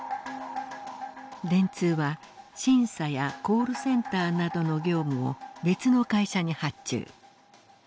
電通は審査やコールセンターなどの業務を別の会社に発注。